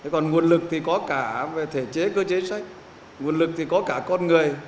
còn nguồn lực thì có cả về thể chế cơ chế sách nguồn lực thì có cả con người